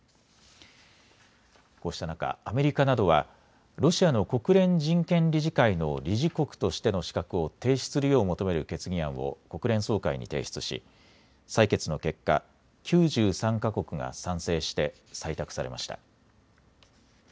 こうした中、アメリカなどはロシアの国連人権理事会の理事国としての資格を停止するよう求める決議案を国連総会に提出し採決の結果、９３か国が賛成して採択されました。